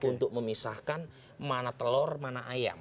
untuk memisahkan mana telur mana ayam